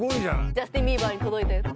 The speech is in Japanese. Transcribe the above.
ジャスティン・ビーバーに届いたやつ。